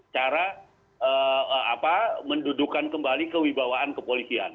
cara mendudukan kembali kewibawaan kepolisian